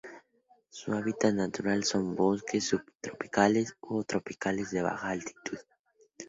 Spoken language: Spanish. Su hábitat natural son: bosques subtropicales o tropicales de baja altitud.